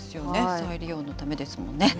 再利用のためですもんね。